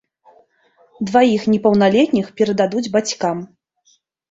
Дваіх непаўналетніх перададуць бацькам.